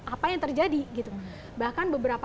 apa yang terjadi gitu bahkan beberapa